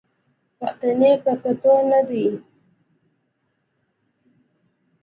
پښتنې په کتو نه دي